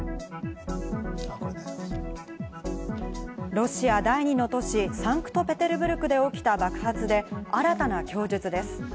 ロシア第二の都市・サンクトペテルブルクで起きた爆発で新たな供述です。